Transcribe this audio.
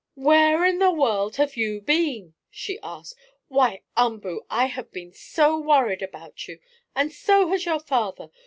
"Where in the world have you been?" she asked. "Why, Umboo! I have been so worried about you, and so has your father!